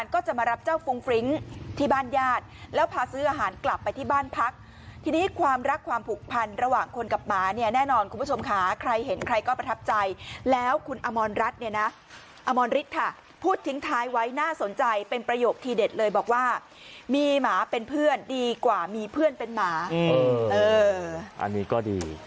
ก็จะมารับเจ้าฟุ้งฟริ้งที่บ้านญาติแล้วพาซื้ออาหารกลับไปที่บ้านพักทีนี้ความรักความผูกพันระหว่างคนกับหมาเนี่ยแน่นอนคุณผู้ชมค่ะใครเห็นใครก็ประทับใจแล้วคุณอมรรัฐเนี่ยนะอมรฤทธิ์ค่ะพูดทิ้งท้ายไว้น่าสนใจเป็นประโยคทีเด็ดเลยบอกว่ามีหมาเป็นเพื่อนดีกว่ามีเพื่อนเป็นหมาอันนี้ก็ดี